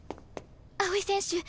青井選手